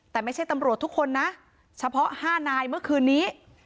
แต่ไม่ใช่ตำรวจทุกคนนะเฉพาะ๕นายเมื่อคืนนี้